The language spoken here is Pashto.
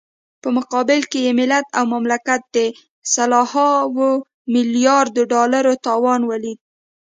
په مقابل کې يې ملت او مملکت د سلهاوو ملیاردو ډالرو تاوان وليد.